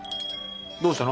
どうしたの？